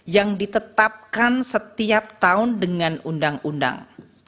yang ditetapkan setiap tahun dengan undang undang